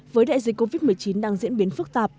với đại dịch covid một mươi chín đang diễn biến phức tạp